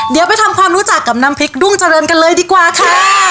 เดี๋ยวไปทำความรู้จักกับน้ำพริกดุ้งเจริญกันเลยดีกว่าค่ะ